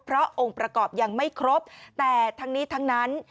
เพราะองค์ประกอบยังไม่ครบแต่ทั้งนี้ทั้งนั้น